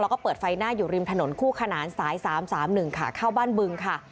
แล้วก็เปิดไฟหน้าอยู่ริมถนนคู่ขนานสาย๓๓๑ขาเข้าบ้านบึงค่ะ